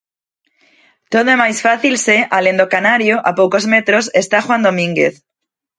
Todo é máis fácil se, alén do canario, a poucos metros, está Juan Domínguez.